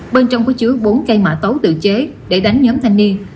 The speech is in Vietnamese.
bên trong có chứa bốn cây mã tấu tự chế để đánh nhóm thanh niên